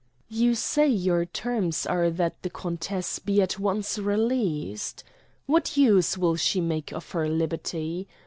"You say your terms are that the countess be at once released? What use will she make of her liberty?